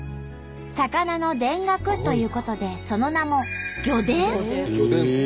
魚の田楽ということでその名も「魚でん」！